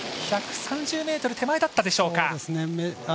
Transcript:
１３０手前だったでしょうか。